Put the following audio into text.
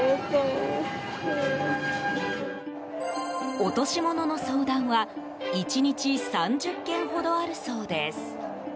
落とし物の相談は１日３０件ほどあるそうです。